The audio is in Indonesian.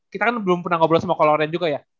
kita kan belum pernah ngobrol sama kolo ren juga ya